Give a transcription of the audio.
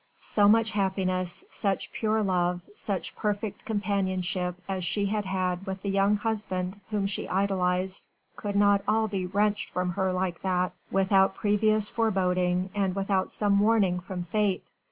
So much happiness, such pure love, such perfect companionship as she had had with the young husband whom she idolised could not all be wrenched from her like that, without previous foreboding and without some warning from Fate.